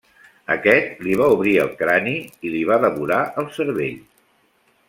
Aquest li va obrir el crani i li va devorar el cervell.